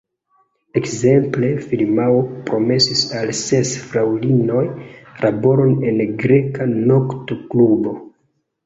Ekzemple, firmao promesis al ses fraŭlinoj laboron en greka nokto-klubo.